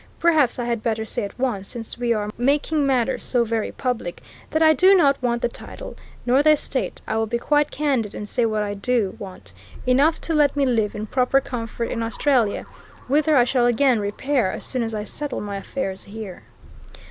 Perhaps I had better say at once, since we are making matters so very public, that I do not want the title, nor the estate; I will be quite candid and say what I do want enough to let me live in proper comfort in Australia, whither I shall again repair as soon as I settle my affairs here."